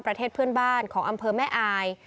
ประเทศเพื่อนบ้านของอำเภอแม่อาย